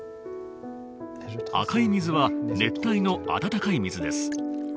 赤い水は熱帯の温かい水です。